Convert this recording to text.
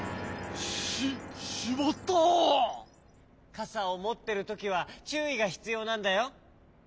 かさをもってるときはちゅういがひつようなんだよ。